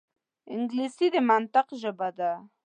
انګلیسي د منطق ژبه ده